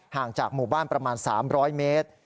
ห่างจากหมู่บ้านประมาณ๓๐๐เมตร